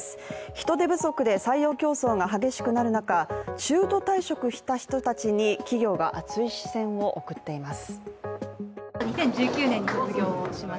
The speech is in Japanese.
人手不足で採用競争が激しくなる中中途退職した人たちに企業が熱い視線を送っています。